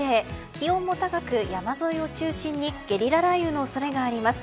気温も高く山沿いを中心にゲリラ雷雨の恐れがあります。